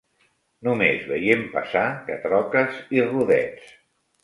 No més veient passar que troques i rodets